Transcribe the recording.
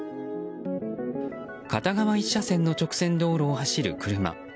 片側１車線の直線道路を走る車。